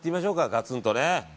ガツンとね。